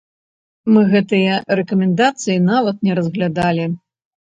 Мы гэтыя рэкамендацыі нават не разглядалі.